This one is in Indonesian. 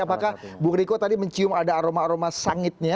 apakah bung riko tadi mencium ada aroma aroma sangitnya